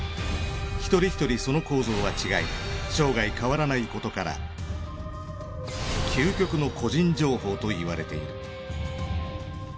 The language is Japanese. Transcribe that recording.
一人一人その構造は違い生涯変わらないことから究極の個人情報と言われている。